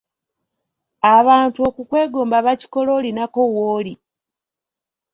Abantu okukwegomba bakikola olinako w’oli.